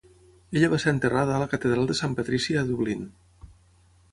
Ella va ser enterrada a la Catedral de San Patrici a Dublín.